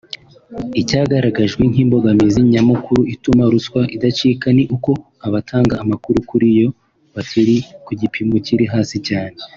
Icyagaragajwe nk’imbogamizi nyamukuru ituma ruswa idacika ni uko abatanga amakuru kuriyo bakiri ku gipimo kiri hasi cyane